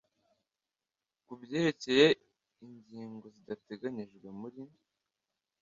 Ku byerekeye ingigno zidateganyijwe muri